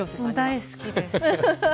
大好きです。